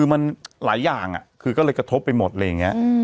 มันหลายอย่างก็เลยกระทบไปหมดครับ